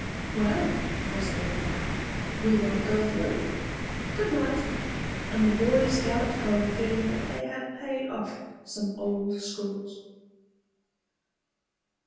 "Well," was the reply, "we won't go through. Good night!" and the boys galloped home feeling that they had paid off some old scores.